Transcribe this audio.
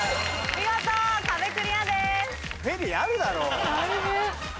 見事壁クリアです。